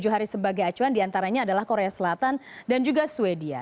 tujuh hari sebagai acuan diantaranya adalah korea selatan dan juga sweden